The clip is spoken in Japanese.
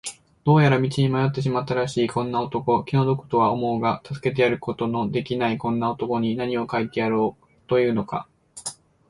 どうやら道に迷ってしまったらしいこんな男、気の毒とは思うが助けてやることのできないこんな男に、なにを書いてやろうというのか。